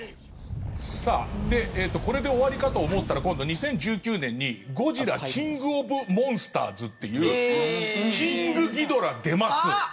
これで終わりかと思ったら今度２０１９年に「ゴジラキング・オブ・モンスターズ」っていうキングギドラ、出ます。